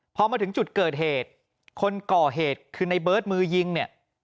พอมาถึงจุดเกิดเหตุคนก่อเหตุคือในเบิร์ตมือยิงเนี่ย